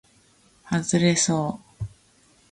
はずれそう